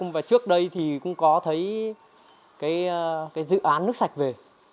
và trước đây thì cũng có thấy cái dự án nước sạch về